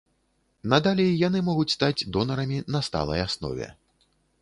Надалей яны могуць стаць донарамі на сталай аснове.